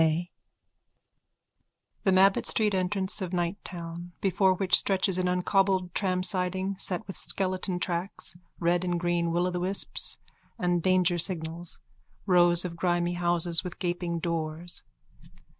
[ 15 ] _(The Mabbot street entrance of nighttown, before which stretches an uncobbled tramsiding set with skeleton tracks, red and green will o' the wisps and danger signals. Rows of grimy houses with gaping doors.